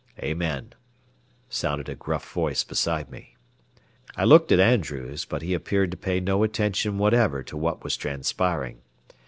"Amen," sounded a gruff voice beside me. I looked at Andrews, but he appeared to pay no attention whatever to what was transpiring.